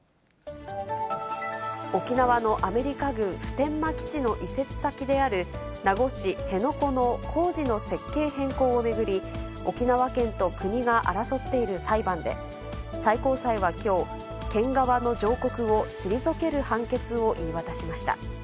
沖縄のアメリカ軍普天間基地の移設先である名護市辺野古の工事の設計変更を巡り、沖縄県と国が争っている裁判で、最高裁はきょう、県側の上告を退ける判決を言い渡しました。